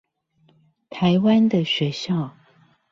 台灣的學校